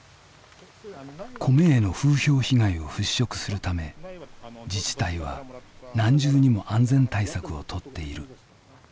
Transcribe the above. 米への風評被害を払拭するため自治体は何重にも安全対策をとっている。